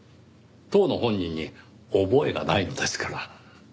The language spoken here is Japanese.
当の本人に覚えがないのですから。